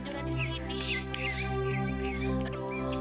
dan sudah sebesar ini